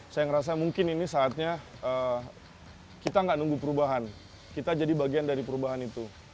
saya ngerasa mungkin ini saatnya kita nggak nunggu perubahan kita jadi bagian dari perubahan itu